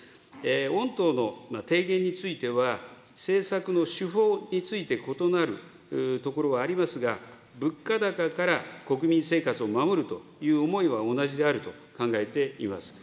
御党の提言については、政策の手法について異なるところはありますが、物価高から国民生活を守るという思いは同じであると考えています。